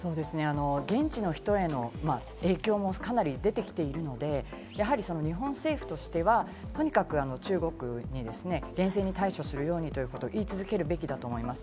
現地の人への影響もかなり出てきているので、やはり日本政府としては、とにかく中国に厳正に対処するようにということを言い続けるべきだと思います。